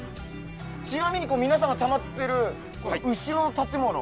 ちなみに皆さんがたまってる。